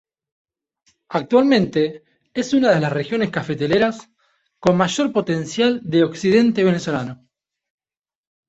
Actualmente, es una de las regiones cafetaleras con mayor potencial del occidente venezolano.